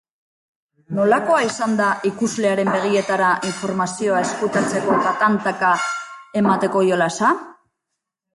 Nolakoa izan da ikuslearen begietara informazioa ezkutatzeko eta tantaka emateko jolasa?